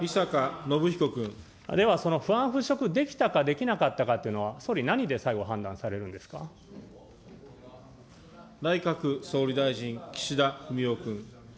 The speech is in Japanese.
ではその不安払拭、できたかできなかったかというのは、総理何で最後、判断されるん内閣総理大臣、岸田文雄君。